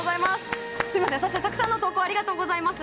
たくさんの投稿ありがとうございます。